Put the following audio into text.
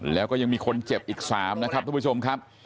แล้วก็ยังมีคนเจ็บอีก๓นะครับทุกผู้ชมครับ